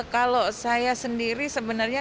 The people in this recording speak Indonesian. kalau saya sendiri sebenarnya